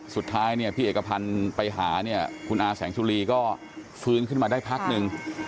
สุดท้ายเนี่ยพี่เอกพันธ์ไปหาเนี่ยคุณอาแสงสุรีก็ฟื้นขึ้นมาได้พักหนึ่ง